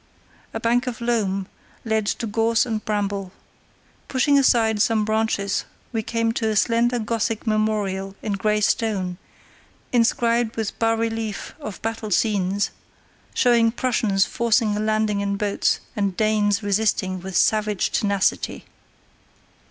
A bank of loam led to gorse and bramble. Pushing aside some branches we came to a slender Gothic memorial in grey stone, inscribed with bas reliefs of battle scenes, showing Prussians forcing a landing in boats and Danes resisting with savage tenacity.